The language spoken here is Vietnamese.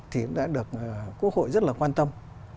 thì đã được quốc hội rất là quan tâm